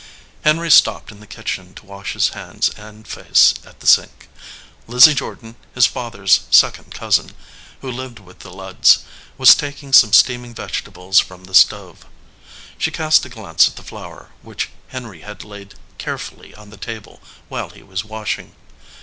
Henry stopped in the kitchen to wash his hands and face at the sink. Lizzie Jordan, his father s second cousin, who lived with the Ludds, was tak ing some steaming vegetables from the stove. She cast a glance at the flower which Henry had laid carefully on the table while he was washing.